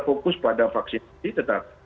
fokus pada vaksin ini tetap